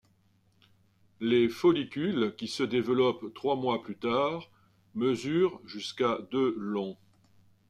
Les follicules qui se développent trois mois plus tard, mesurent jusqu'à de long.